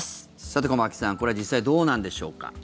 さて、駒木さんこれは実際どうなんでしょうか。